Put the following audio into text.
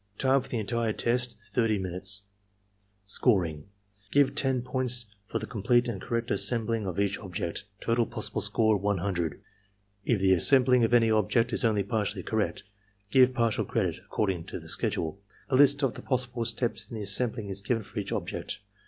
Time for the entire test, 30 minutes. Scoring. — Give 10 points for the complete and correct as sembling of each object. Total possible score, 100. If the assembling of any object is only partially correct, give partial credit, according to the schedule. A Ust of the possible steps in the assembling is given for each object.